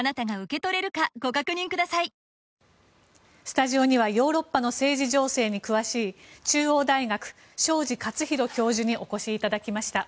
スタジオにはヨーロッパの政治情勢に詳しい中央大学、庄司克宏教授にお越しいただきました。